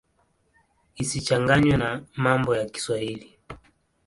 Isichanganywe na mambo ya Kiswahili.